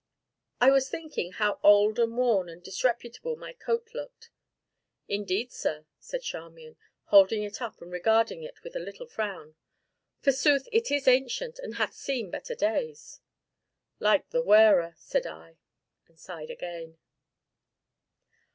"I was thinking how old and worn and disreputable my coat looked." "Indeed, sir," said Charmian, holding it up and regarding it with a little frown, "forsooth it is ancient, and hath seen better days." "Like its wearer!" said I, and sighed again.